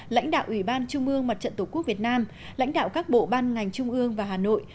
lãnh đạo ủy ban trung ương mặt trận tổ quốc việt nam lãnh đạo các bộ ban ngành trung ương và hà nội